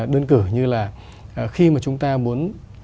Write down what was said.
đơn cử như là khi mà chúng ta muốn